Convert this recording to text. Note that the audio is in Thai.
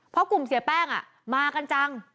เพราะกลุ่มเสียแป้งมากันจัง